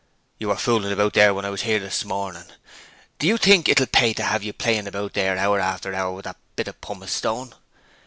You were fooling about there when I was here this morning. Do you think it'll pay to have you playing about there hour after hour with a bit of pumice stone?